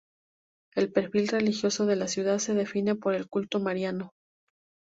El perfil religioso de la ciudad se define por el culto mariano.